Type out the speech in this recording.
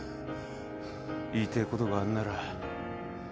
言いてえことがあんなら